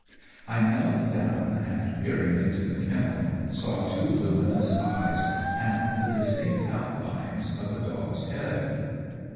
I knelt down, and peering into the kennel saw two luminous eyes and the distinct outlines of a dog's head.